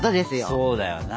そうだよな。